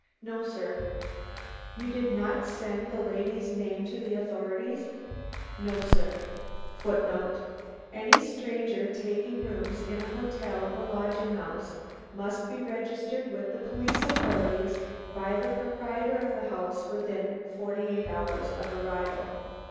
"No, sir. "You did not send the lady's name to the authorities?" * "No, sir." * Any stranger taking rooms in a hotel or lodging house must be registered with the police authorities by the proprietor of the house within forty eight hours of arrival.